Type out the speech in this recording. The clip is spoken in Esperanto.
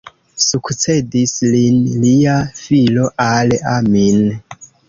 Sukcedis lin lia filo Al-Amin.